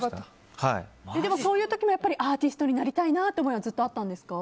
でも、そういう時もアーティストになりたいという思いはずっとあったんですか？